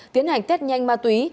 tiến hành test nhanh ma túy